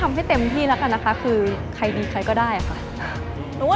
รายการต่อไปนี้เหมาะสำหรับผู้ชมที่มีอายุ๑๓ปีควรได้รับคำแนะนำ